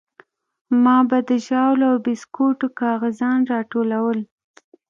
ما به د ژاولو او بيسکوټو کاغذان راټولول.